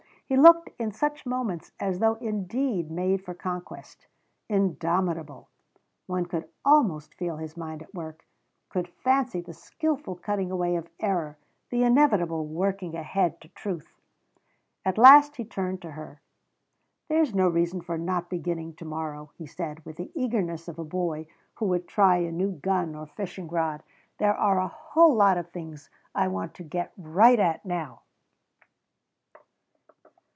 He looked in such moments as though indeed made for conquest, indomitable. One could almost feel his mind at work, could fancy the skillful cutting away of error, the inevitable working ahead to truth. At last he turned to her. "There's no reason for not beginning to morrow," he said, with the eagerness of a boy who would try a new gun or fishing rod. "There are a whole lot of things I want to get right at now."